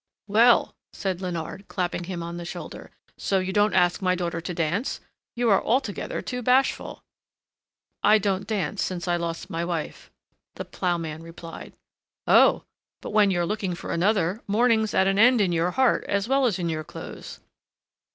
"Well!" said Léonard, clapping him on the shoulder, "so you don't ask my daughter to dance? You are altogether too bashful!" "I don't dance since I lost my wife," the ploughman replied. "Oh! but when you're looking for another, mourning's at an end in your heart as well as in your clothes."